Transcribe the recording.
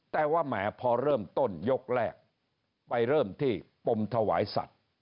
แต่ว่าแหมพอเริ่มต้นยกแรกไปเริ่มที่ปมถวายสัตว์